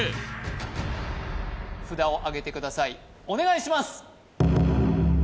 お願いします